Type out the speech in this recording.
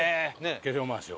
化粧回しを。